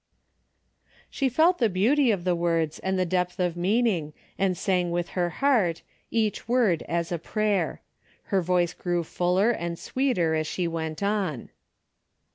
She felt the beauty of the words and the depth of meaning, and sang with her heart, each word as a prayer. Her voice grew fuller and sweeter as she went on.